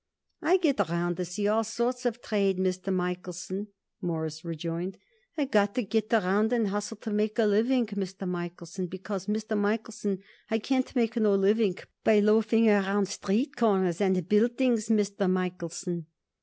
"I get around to see all sorts of trade, Mr. Michaelson," Morris rejoined. "I got to get around and hustle to make a living, Mr. Michaelson, because, Mr. Michaelson, I can't make no living by loafing around street corners and buildings, Mr. Michaelson."